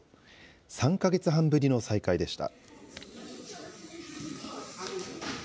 ３か月半ぶりの再会でした。